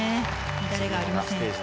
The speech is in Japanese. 乱れがありません。